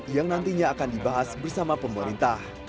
yang nantinya akan dibahas bersama pemerintah